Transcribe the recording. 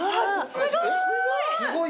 すごい！